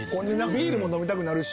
ビールも飲みたくなるし。